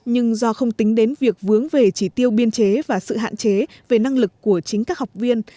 nhưng do không tính đến việc vướng về chỉ tiêu biên chế và sự hạn chế về năng lực của chính các học viên